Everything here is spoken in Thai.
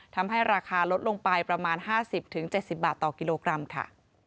ทำให้ราคาลดลงไปประมาณ๕๐๗๐บาทต่อกิโลกรัมค่ะ